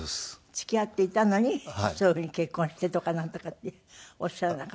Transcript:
付き合っていたのにそういう風に「結婚して」とかなんとかっておっしゃらなかった。